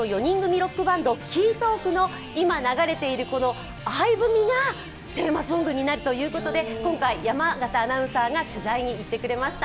ロックバンドＫＥＹＴＡＬＫの今流れているこの「愛文」がテーマソングになるということで今回、山形アナウンサーが取材に行ってくれました。